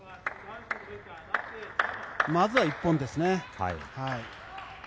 まずは１本ですね。